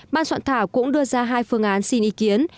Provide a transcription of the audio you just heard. ban soạn thảo cũng đưa ra hai phương án xin ý kiến